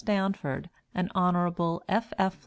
Stanford and Hon. F. F.